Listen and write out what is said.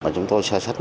chúng tôi sẽ sách